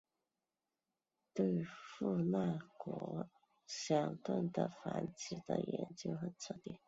对富纳角箱鲀的繁殖的研究很彻底。